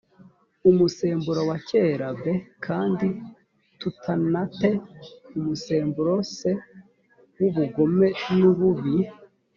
umusemburo wa kera b kandi tutana te umusemburoc w ubugome n ububi